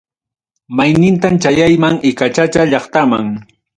Maynintam chayayman, icachacha llaqtaman.